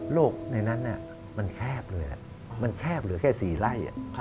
หลวงในนั้นมันแคบเหลือแคบเหลือแค่สี่ไล่